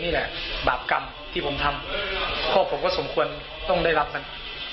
นี่แหละบาปกรรมที่ผมทำพ่อผมก็สมควรต้องได้รับมัน